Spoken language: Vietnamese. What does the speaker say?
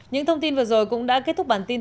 những thông tin vừa rồi cũng đã kết thúc bản tin